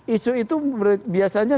isu itu biasanya sebetulnya